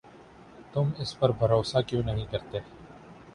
تم اس پر بھروسہ کیوں نہیں کرتے؟